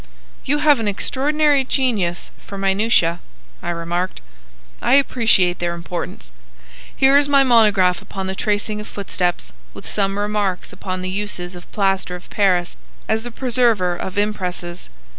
"You have an extraordinary genius for minutiæ," I remarked. "I appreciate their importance. Here is my monograph upon the tracing of footsteps, with some remarks upon the uses of plaster of Paris as a preserver of impresses.